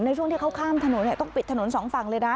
ในช่วงที่เขาข้ามถนนต้องปิดถนนสองฝั่งเลยนะ